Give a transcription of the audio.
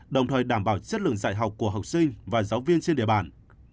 đồng thời đảm bảo chất lượng dạy học của học sinh và giáo viên trên địa bàn